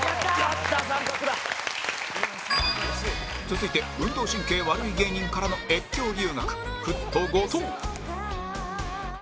続いて運動神経悪い芸人からの越境留学フット後藤